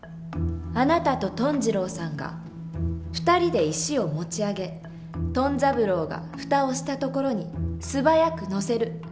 あなたとトン二郎さんが２人で石を持ち上げトン三郎が蓋をしたところに素早く載せる。